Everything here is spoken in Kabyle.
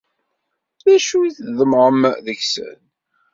D acu i tḍemεem deg-sen?